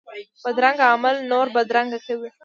بدرنګه عمل نور بدرنګه کوي